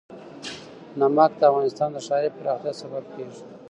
نمک د افغانستان د ښاري پراختیا سبب کېږي.